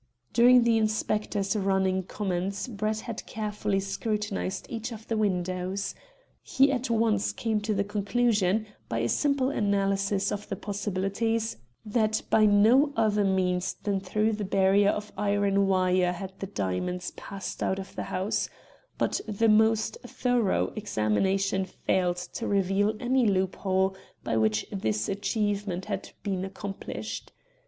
During the inspector's running comments Brett had carefully scrutinised each of the windows. He at once came to the conclusion, by a simple analysis of the possibilities, that by no other means than through the barrier of iron wire had the diamonds passed out of the house; but the most thorough examination failed to reveal any loophole by which this achievement had been accomplished.